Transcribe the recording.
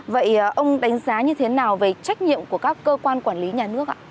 vậy ông đánh giá như thế nào về trách nhiệm của các cơ quan quản lý nhà nước ạ